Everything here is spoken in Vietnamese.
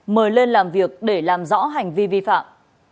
mời lên làm việc để làm rõ hành vi vi phạm